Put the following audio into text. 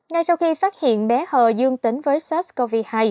ngay sau khi phát hiện bé hờ dương tính với sars cov hai